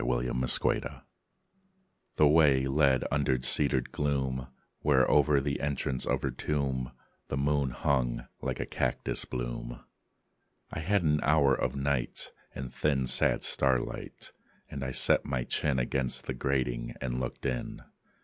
BEFORE THE TOMB The way led under cedared gloom Where, o'er the entrance of her tomb, The moon hung, like a cactus bloom. I had an hour of night and thin Sad starlight; and I set my chin Against the grating and looked in.